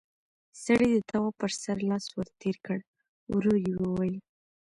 سړي د تواب پر سر لاس ور تېر کړ، ورو يې وويل: